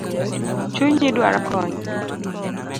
Chunyi dwaro kony